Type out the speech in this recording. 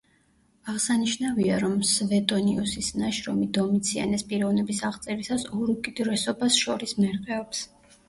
აღსანიშნავია, რომ სვეტონიუსის ნაშრომი დომიციანეს პიროვნების აღწერისას ორ უკიდურესობას შორის მერყეობს.